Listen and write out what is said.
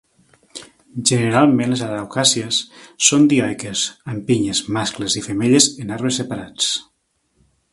Generalment les araucàries són dioiques, amb pinyes mascles i femelles en arbres separats.